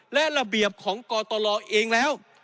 และระเบียบของกตลเองแล้ว